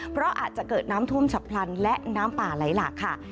เพราะอาจจะเกิดน้ำท่วมฉับพลันและน้ำป่าไหลหลากค่ะ